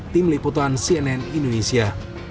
tim liputan cnn indonesia